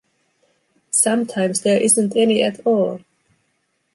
Sometimes there isn't any at all.